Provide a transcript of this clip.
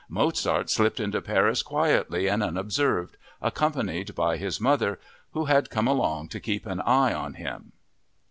Mozart slipped into Paris quietly and unobserved, accompanied by his mother, who had come along to keep an eye on him.